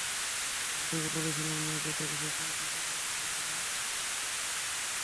আমি তোকে বলেছিলাম না যে তোকে সবসময়ই বাচাতে আসতে পারব না?